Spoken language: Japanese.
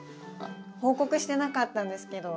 報告してなかったんですけど。